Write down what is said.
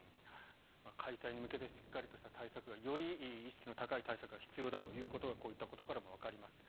開催に向けてしっかりとした対策がより意識の高い対策が必要だということがこういったことからもわかります。